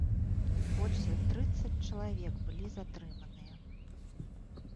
Больш за трыццаць чалавек былі затрыманыя.